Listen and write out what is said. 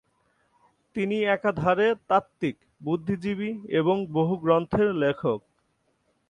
তিনি একাধারে তাত্ত্বিক, বুদ্ধিজীবী এবং বহু গ্রন্থের লেখক।